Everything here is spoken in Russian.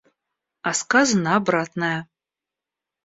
А сказано обратное.